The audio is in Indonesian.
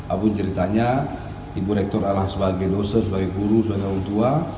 abu ceritanya ibu rektor adalah sebagai dosen sebagai guru sebagai orang tua